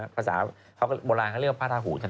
ภาษาโบราณเขาเรียกว่าพระราหูเฉยเอง